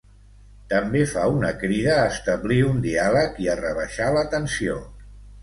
També fa una crida a establir un diàleg i a rebaixar la tensió.